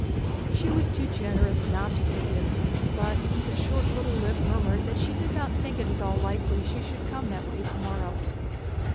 She was too generous not to forgive him, but the short little lip murmured that she did not think it at all likely she should come that way to morrow.